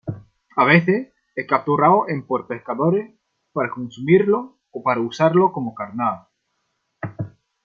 A veces es capturado en por pescadores para consumirlo o para usarlo como carnada.